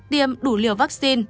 tiêm đủ liều vaccine